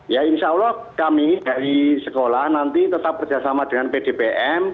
ya insya allah kami dari sekolah nanti tetap kerjasama dengan pdpm